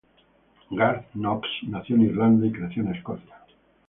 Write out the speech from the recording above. Garth Knox nació en Irlanda y creció en Escocia.